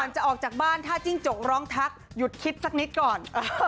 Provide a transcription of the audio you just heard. จะออกจากบ้านถ้าจิ้งจกร้องทักหยุดคิดสักนิดก่อน